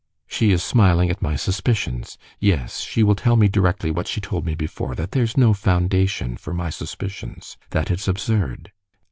"She is smiling at my suspicions. Yes, she will tell me directly what she told me before; that there is no foundation for my suspicions, that it's absurd."